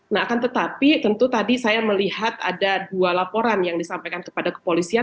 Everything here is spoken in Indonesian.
nah akan tetapi tentu tadi saya melihat ada dua laporan yang disampaikan kepada kepolisian